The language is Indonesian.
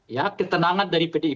ya ketenangan dari pdi